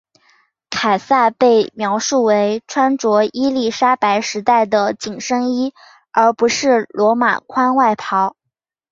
凯撒被描述为穿着伊丽莎白时代的紧身衣而不是罗马宽外袍。